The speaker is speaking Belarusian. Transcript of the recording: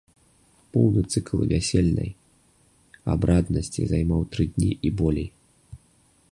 Поўны цыкл вясельнай абраднасці займаў тры дні і болей.